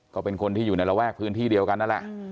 ก็เป็นคนที่อยู่ในระแวกพื้นที่เดียวกันนั่นแหละ